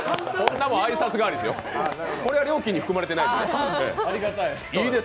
これは料金に含まれてないですね。